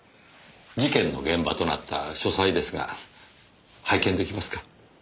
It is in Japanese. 事件の現場となった書斎ですが拝見出来ますか？